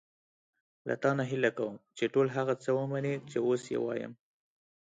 له تا نه هیله کوم چې ټول هغه څه ومنې چې اوس یې وایم.